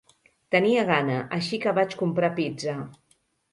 Tenia gana, així que vaig comprar pizza.